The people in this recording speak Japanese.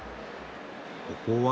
ここは？